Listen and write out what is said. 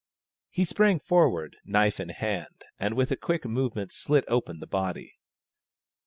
He sprang forward, knife in hand, and with a quick movement slit open the body.